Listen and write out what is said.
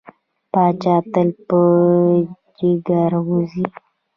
پاچا تل په چکر وځي.